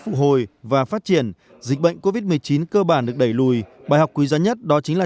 phục hồi và phát triển dịch bệnh covid một mươi chín cơ bản được đẩy lùi bài học quý giá nhất đó chính là